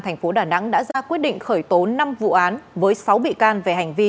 thành phố đà nẵng đã ra quyết định khởi tố năm vụ án với sáu bị can về hành vi